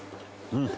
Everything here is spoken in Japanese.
うん。